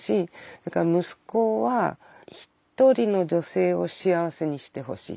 それから息子は１人の女性を幸せにしてほしいと。